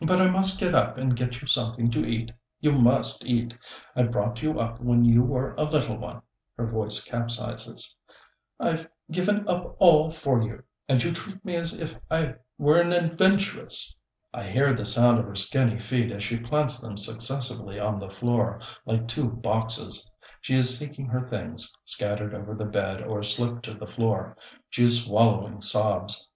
But I must get up and get you something to eat. You must eat. I brought you up when you were a little one," her voice capsizes "I've given up all for you, and you treat me as if I were an adventuress." I hear the sound of her skinny feet as she plants them successively on the floor, like two boxes. She is seeking her things, scattered over the bed or slipped to the floor; she is swallowing sobs.